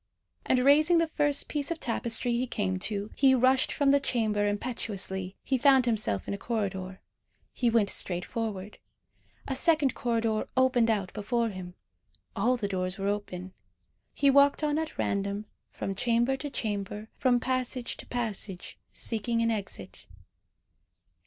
And raising the first piece of tapestry he came to, he rushed from the chamber impetuously. He found himself in a corridor. He went straight forward. A second corridor opened out before him. All the doors were open. He walked on at random, from chamber to chamber, from passage to passage, seeking an exit.